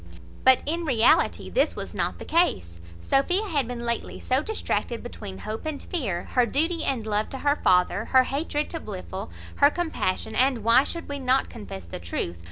But in reality this was not the case. Sophia had been lately so distracted between hope and fear, her duty and love to her father, her hatred to Blifil, her compassion, and (why should we not confess the truth?)